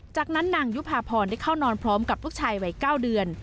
จากนั้นนางยุภาพรได้เข้านอนพร้อมกับลูกชายวัย๙เดือน